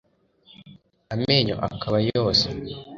amenyo akaba yose